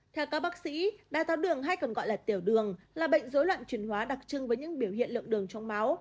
theo các bác sĩ đai tháo đường hay còn gọi là tiểu đường là bệnh dối loạn chuyển hóa đặc trưng với những biểu hiện lượng đường trong máu